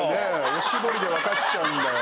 おしぼりでわかっちゃうんだよ